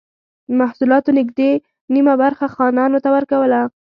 د محصولاتو نږدې نییمه برخه خانانو ته ورکوله.